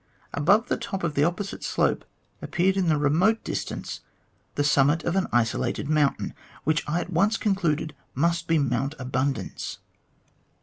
Above the top of the opposite slope appeared in the remote distance the summit of an isolated mountain, which I at once concluded must be Mount Abundance.